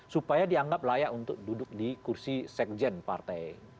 supaya dianggap layak untuk duduk di kursi sekjen partai